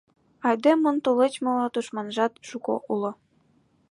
Айдемын тулеч моло тушманжат шуко уло.